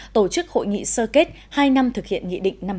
tổ chức hội nghị sơ kết hai năm thực hiện nghị định năm mươi